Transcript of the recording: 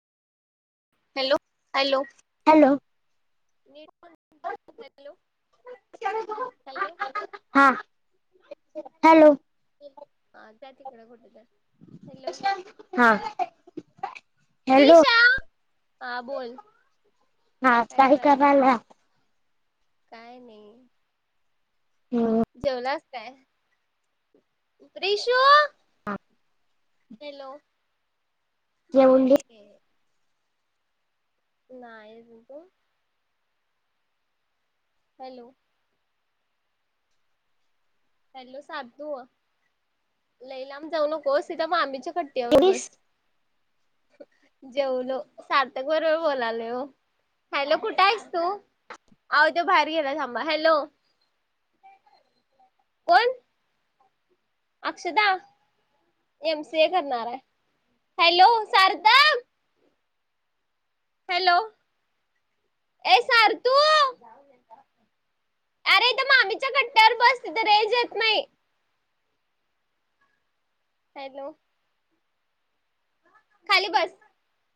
Hello hello hello म hello हा hello हा जा तिकड कुठ तर हॅलो हा हॅलो प्रिशा हा बोल हा काय भाकरी करायला कराल्या काय नाही. जेवलास काय? रिश्यु. हॅलो बोल की जेवलीस दि. नाही बग तू. हॅलो हॅलो सातू लयी लांब जाऊ नकोस इथं मामीच्या कट्यावर बस. जेवलो सार्थक बरोबर बोलायलोय ओ हॅलो कुठे आहेस तू? अहो तो बाहेर गेला थांबा. हॅलो कोण? अक्षदा एमसीए करणार आहे हॅलो सार्थक. हॅलो ए सारतू अरे इथं मामीच्या कट्यावर बस तिथं रेंज येत नाही. हॅलो खाली बस.